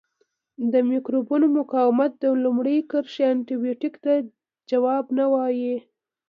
د مکروبونو مقاومت د لومړۍ کرښې انټي بیوټیکو ته ځواب نه وایي.